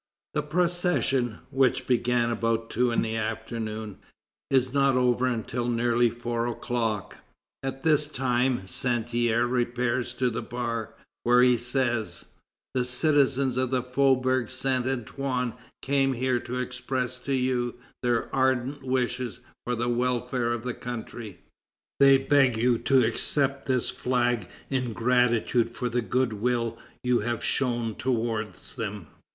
The procession, which began about two in the afternoon, is not over until nearly four o'clock. At this time Santerre repairs to the bar, where he says: "The citizens of the Faubourg Saint Antoine came here to express to you their ardent wishes for the welfare of the country. They beg you to accept this flag in gratitude for the good will you have shown towards them."